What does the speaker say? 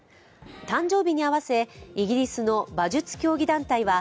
誕生日に合わせ、イギリスの馬術競技団体は、